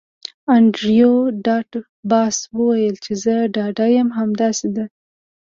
انډریو ډاټ باس وویل چې زه ډاډه یم همداسې ده